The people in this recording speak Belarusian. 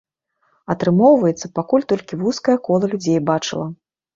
Атрымоўваецца, пакуль толькі вузкае кола людзей бачыла.